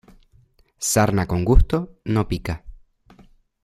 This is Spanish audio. Sarna con gusto, no pica.